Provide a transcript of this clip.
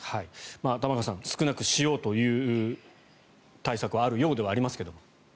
玉川さん少なくしようという対策はあるようではありますが。